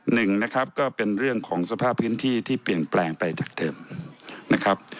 หนึ่งนะครับก็เป็นเรื่องของสภาพพื้นที่ที่เปลี่ยนแปลงไปจากเดิมนะครับ